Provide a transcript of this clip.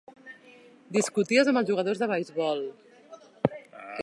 Discuties amb els jugadors de beisbol.